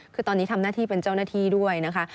คือตอนนี้ทำหน้าที่เป็นเจ้าหน้าที่ด้วยนะคะ